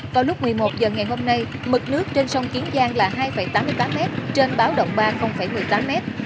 vào lúc một mươi một giờ ngày hôm nay mực nước trên sông kiến giang là hai tám mươi tám mét trên báo động ba một mươi tám mét